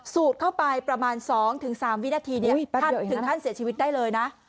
เข้าไปประมาณ๒๓วินาทีถึงขั้นเสียชีวิตได้เลยนะ